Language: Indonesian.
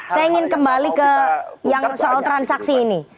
saya ingin kembali ke yang soal transaksi ini